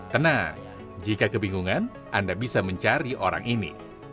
tenang jika kebingungan anda bisa mencari orang ini